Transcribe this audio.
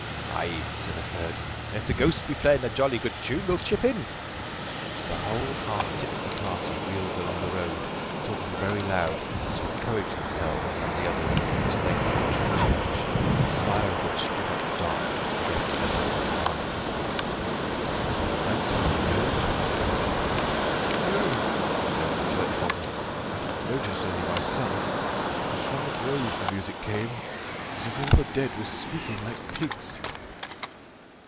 "Ay," said a third, "and if the ghosts be playing a jolly good tune, we'll chip in." So the whole half tipsy party reeled along the road, talking very loud, to encourage themselves and the others, till they approached the church, the spire of which stood up dark against the night sky. "There's no lights in the windows," said one. "No," observed the churchwarden, "I didn't notice any myself; it was from the graves the music came, as if all the dead was squeakin' like pigs."